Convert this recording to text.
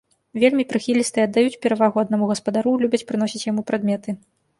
Вельмі прыхілістыя, аддаюць перавагу аднаму гаспадару, любяць прыносіць яму прадметы.